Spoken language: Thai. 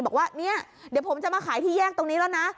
บอกว่าเนี่ยเดี๋ยวผมจะมาขายที่แยกตรงนี้แล้วนะ